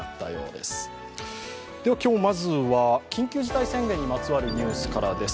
では今日まずは緊急事態宣言にまつわるニュースからです。